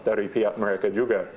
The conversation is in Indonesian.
dari pihak mereka juga